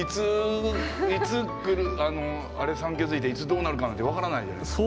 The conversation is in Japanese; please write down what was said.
いつくるいつ産気づいていつどうなるかなんて分からないじゃないですか。